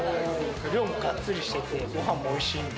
量もがっつりしてて、ごはんもおいしいんで。